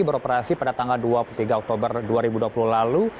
beroperasi pada tanggal dua puluh tiga oktober dua ribu dua puluh lalu